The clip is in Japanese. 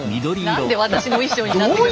何で私の衣装になってくるんですか。